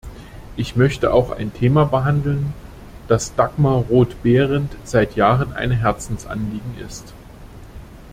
Ich möchte auch ein Thema behandeln, das Dagmar Roth-Behrendt seit Jahren ein Herzensanliegen ist.